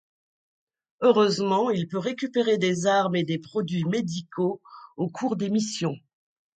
Heureusement, il peut récupérer des armes et des produits médicaux au cours des missions.